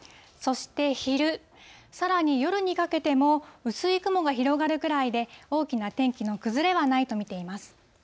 そして昼、さらに夜にかけても、薄い雲が広がるくらいで、大きな天気の崩れはないと見ています。